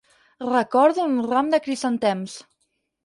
Recordo un ram de crisantems.